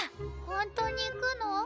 ・本当に行くの？